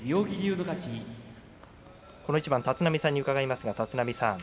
この一番は立浪さんに伺います。